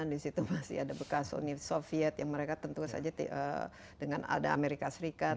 di situ masih ada bekas uni soviet yang mereka tentu saja dengan ada amerika serikat